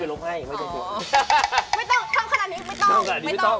ถ้าน่ะไม่ต้อง